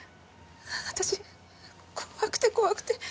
私怖くて怖くて。